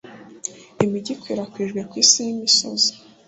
Imijyi ikwirakwijwe kwisi nkimisozi